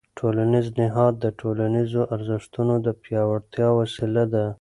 ټولنیز نهاد د ټولنیزو ارزښتونو د پیاوړتیا وسیله ده.